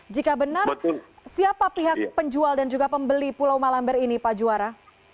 jika benar siapa pihak penjual dan juga pembeli pulau malamber ini pak juara